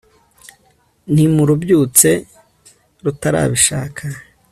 ntimurubyutse rutarabishaka